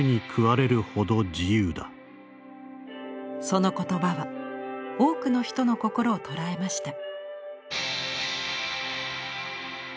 その言葉は多くの人の心を捉えました。